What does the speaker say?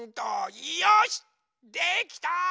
よしできた！